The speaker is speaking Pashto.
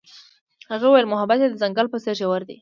هغې وویل محبت یې د ځنګل په څېر ژور دی.